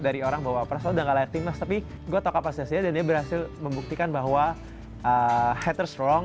dari orang bahwa pras tawa udah nggak layak timnas tapi gue tau kapasitasnya dan dia berhasil membuktikan bahwa haters wrong